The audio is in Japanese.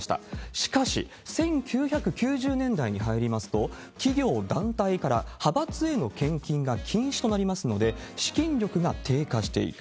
しかし、１９９０年代に入りますと、企業、団体から派閥への献金が禁止となりますので、資金力が低下していく。